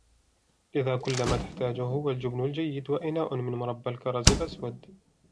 لذا كل ما تحتاجه هو الجبن الجيد وإناء من مربى الكرز الأسود.